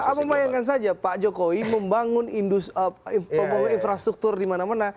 kamu bayangkan saja pak jokowi membangun infrastruktur dimana mana